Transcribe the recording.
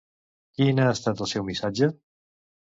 Quin ha estat el seu missatge?